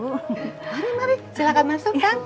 mari mari silahkan masuk kang